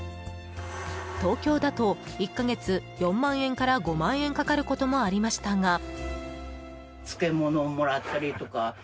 東京だと、１か月４万円から５万円かかることもありましたが。